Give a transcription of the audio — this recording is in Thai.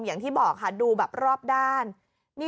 อย่างที่บอกดูเมื่อกี๊รอบด้าน